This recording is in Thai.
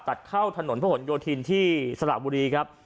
ตัดเข้าถนนพระหลโยธินที่สระบุรีครับ